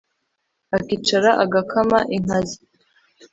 akicara agakama inká zé